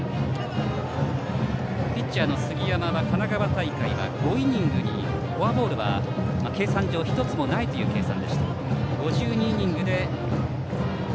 ピッチャーの杉山は神奈川大会は５イニングに、フォアボールは計算上１つもないという計算でした。